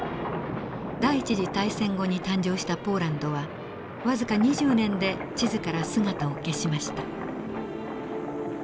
第一次大戦後に誕生したポーランドは僅か２０年で地図から姿を消しました。